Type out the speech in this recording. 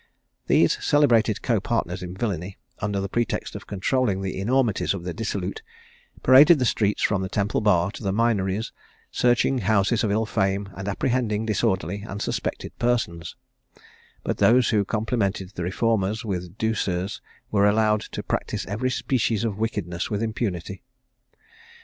These celebrated copartners in villany, under the pretext of controlling the enormities of the dissolute, paraded the streets from Temple bar to the Minories, searching houses of ill fame, and apprehending disorderly and suspected persons; but those who complimented the reformers with douceurs, were allowed to practise every species of wickedness with impunity.